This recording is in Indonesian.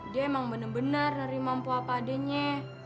dia emang bener bener nerima mpo apa adanya